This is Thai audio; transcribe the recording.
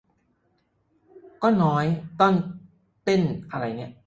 ก็น้อยต้อนเต้นแน่นในดอกลูกเอ๋ย